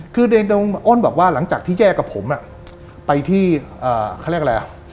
คืออ้นบอกว่าหลังจากที่แยกกับผมไปที่เขาเรียกอะไรอ่ะ